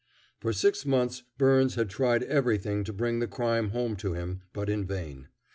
For six months Byrnes had tried everything to bring the crime home to him, but in vain.